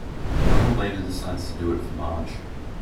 Homer later decides to do it for Marge.